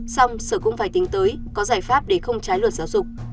xong sở cũng phải tính tới có giải pháp để không trái luật giáo dục